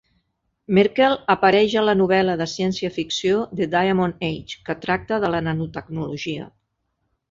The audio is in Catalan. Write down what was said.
Merkle apareix a la novel·la de ciència-ficció "The Diamond Age", que tracta de la nanotecnologia.